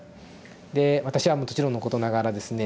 で私はもちろんのことながらですね